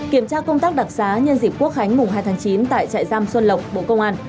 kiểm tra công tác đặc xá nhân dịp quốc khánh mùng hai tháng chín tại trại giam xuân lộc bộ công an